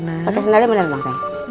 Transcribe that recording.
pakai sendalnya yang bener banget